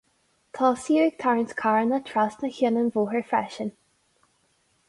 Tosaíodh ag tarraingt carranna trasna cheann an bhóthair freisin.